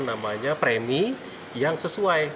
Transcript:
ada premi yang sesuai